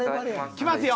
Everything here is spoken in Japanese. きますよ！